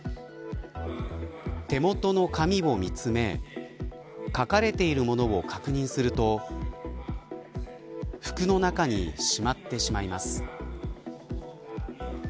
手元の紙を見つめ書かれているものを確認すると服の中にしまってしまいます。